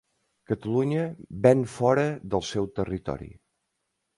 Catalunya ven fora del seu territori